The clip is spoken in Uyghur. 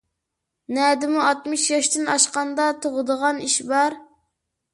نەدىمۇ ئاتمىش ياشتىن ئاشقاندا تۇغىدىغان ئىش بار؟